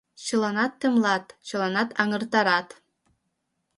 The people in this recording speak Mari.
Чыланат темлат, чыланат аҥыртарат.